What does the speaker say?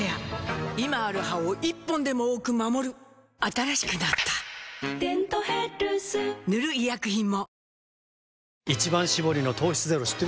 今ある歯を１本でも多く守る新しくなった「デントヘルス」塗る医薬品も